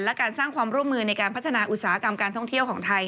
และการสร้างความร่วมมือในการพัฒนาอุตสาหกรรมการท่องเที่ยวของไทย